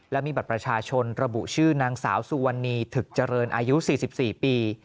และมีบัตรประชาชนระบุชื่อนางสาวสุวรรณีถึกเจริญอายุ๔๔ปี